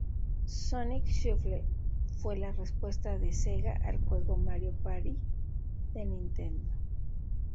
Sonic Shuffle fue la respuesta de Sega al juego Mario Party de Nintendo.